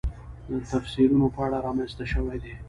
د تفسیرونو په اړه رامنځته شوې دي.